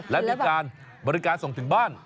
และบริการส่งถึงบ้าน